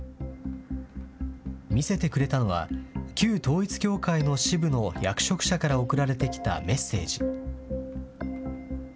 見せてくれたのは、旧統一教会の支部の役職者から送られてきたメッセージ。